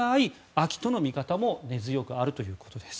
秋との見方も根強くあるということです。